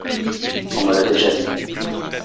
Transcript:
On me l’a déjà dit…